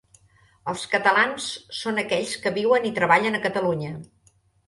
Els catalans són aquells que viuen i treballen a Catalunya.